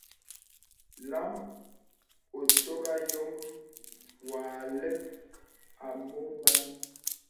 Lām òtagà yôm wà àlə̀k à mɔ màn.